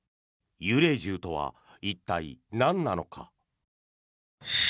幽霊銃とは一体なんなのか。